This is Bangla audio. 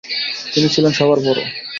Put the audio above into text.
তিনি ছিলেন সবার বড়।